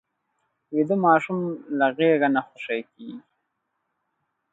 ویده ماشوم له غېږه نه خوشې کېږي